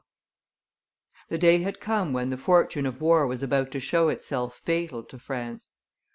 The day had come when the fortune of war was about to show itself fatal to France.